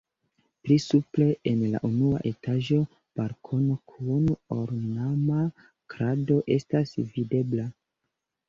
Pli supre en la unua etaĝo balkono kun ornama krado estas videbla.